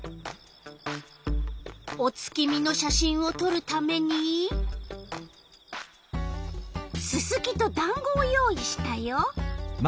お月見の写真をとるためにススキとだんごを用意したよ。